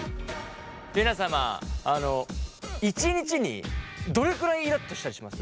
皆様１日にどれくらいイラっとしたりします？